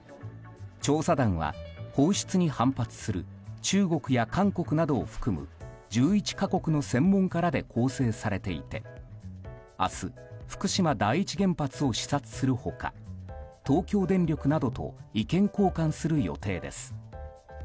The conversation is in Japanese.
調査団は放出に反発する中国や韓国などを含む１１か国の専門家らで構成されていて明日、福島第一原発を視察する他東京電力などと意見交換する予定です。